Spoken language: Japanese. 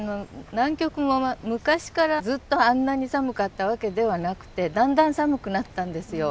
南極も昔からずっとあんなに寒かったわけではなくてだんだん寒くなったんですよ